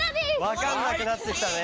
わかんなくなってきたね。